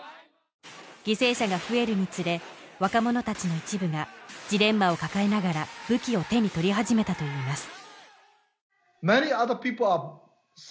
犠牲者が増えるにつれ若者たちの一部がジレンマを抱えながら武器を手に取り始めたといいます